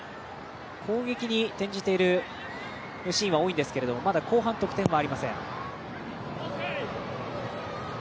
攻撃に転じているシーンは多いんですがまだ後半、得点はありません。